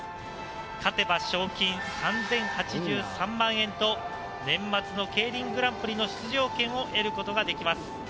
勝てば賞金３０８３万円と年末のＫＥＩＲＩＮグランプリの出場権を得ることができます。